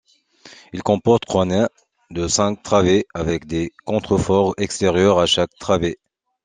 Il comporte trois nefs de cinq travées avec des contreforts extérieurs à chaque travée.